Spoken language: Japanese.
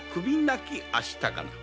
なきあしたかな」